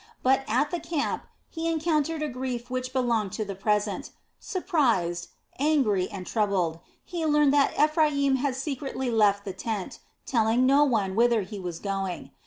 But at the camp he encountered a grief which belonged to the present; surprised, angry, and troubled, he learned that Ephraim had secretly left the tent, telling no one whither he was going.